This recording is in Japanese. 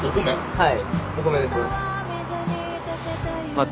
はい。